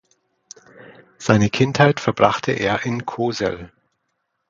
Seine Kindheit verbrachte er in Cosel.